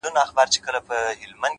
عاجزي ستر شخصیت نور هم ښکلی کوي؛